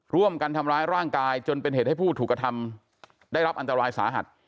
ร่วมกันทำร้ายร่างกายจนเป็นเหตุให้ผู้ถูกกระทำได้รับอันตรายสาหัส